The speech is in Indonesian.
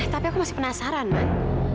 tapi aku masih penasaran bang